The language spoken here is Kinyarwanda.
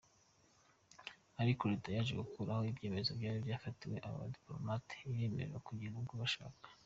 Ariko Leta yaje gukuraho ibyemezo byari byafatiwe abo badipolomate, ibemerera kugenda uko bashaka.